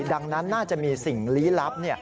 ดังนั้นน่าจะมีสิ่งลี้ลับ